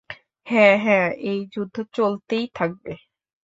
হ্যাঁ, হ্যাঁ, এই যুদ্ধ চলতেই থাকবে।